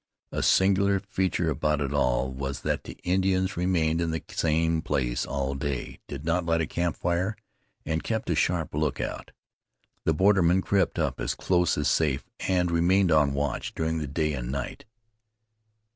A singular feature about it all was that the Indians remained in the same place all day, did not light a camp fire, and kept a sharp lookout. The bordermen crept up as close as safe, and remained on watch during the day and night.